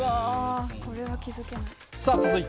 これは気付けない。